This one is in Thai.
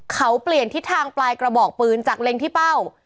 เขาเปลี่ยนทิศทางปลายกระบอกปืนจากเล็งที่เป้า